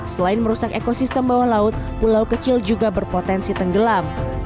selain merusak ekosistem bawah laut pulau kecil juga berpotensi tenggelam